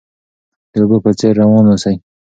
د اوبو په څیر روان اوسئ.